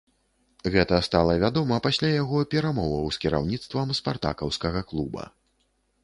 Гэта стала вядома пасля яго перамоваў з кіраўніцтвам спартакаўскага клуба.